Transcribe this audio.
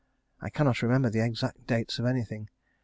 I cannot remember the exact dates of anything.